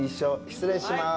失礼します。